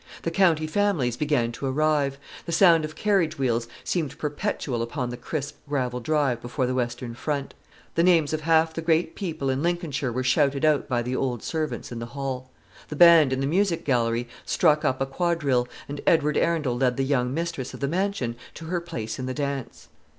The county families began to arrive; the sound of carriage wheels seemed perpetual upon the crisp gravel drive before the western front; the names of half the great people in Lincolnshire were shouted by the old servants in the hall. The band in the music gallery struck up a quadrille, and Edward Arundel led the youthful mistress of the mansion to her place in the dance.